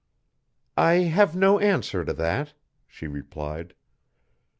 "I have no answer to that," she replied.